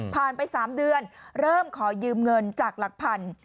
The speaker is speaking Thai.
ไป๓เดือนเริ่มขอยืมเงินจากหลักพัน